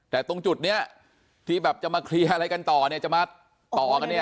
แต่ตรงจุดนี้ที่แบบจะมาเคลียร์อะไรกันต่อเนี่ยจะมาต่อกันเนี่ย